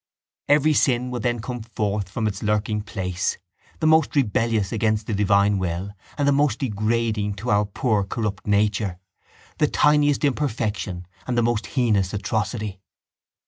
Every sin would then come forth from its lurking place, the most rebellious against the divine will and the most degrading to our poor corrupt nature, the tiniest imperfection and the most heinous atrocity.